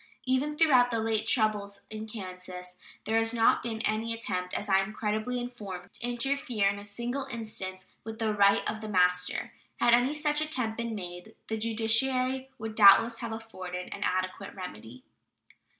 Even throughout the late troubles in Kansas there has not been any attempt, as I am credibly informed, to interfere in a single instance with the right of the master. Had any such attempt been made, the judiciary would doubtless have afforded an adequate remedy.